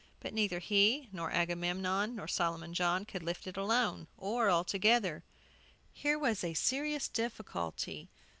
But neither he, nor Agamemnon, nor Solomon John could lift it alone, or all together. Here was a serious difficulty.